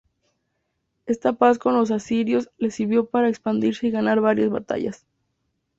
Esta paz con los asirios le sirvió para expandirse y ganar varias batallas.